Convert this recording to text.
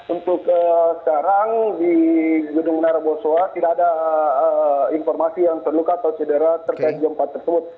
untuk sekarang di gedung menara boswa tidak ada informasi yang terluka atau cedera terkait gempa tersebut